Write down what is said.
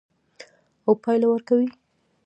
او پایله ورکوي.